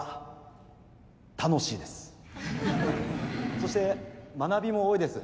そして学びも多いです。